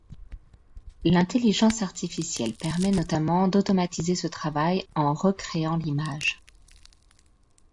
L'intelligence artificielle permet notamment d'automatiser ce travail en recréant l'image.